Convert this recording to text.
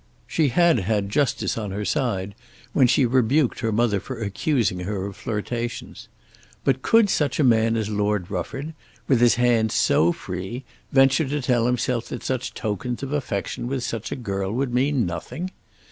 She had had justice on her side when she rebuked her mother for accusing her of flirtations. But could such a man as Lord Rufford with his hands so free, venture to tell himself that such tokens of affection with such a girl would mean nothing?